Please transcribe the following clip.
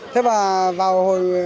thế và vào hồi